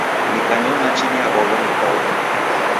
Nikanywa machi niabwagha kau.